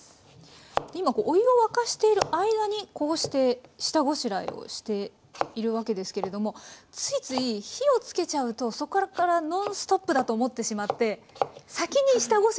今お湯を沸かしている間にこうして下ごしらえをしているわけですけれどもついつい火をつけちゃうとそこからノンストップだと思ってしまって先に下ごしらえしちゃうんですよね野菜の。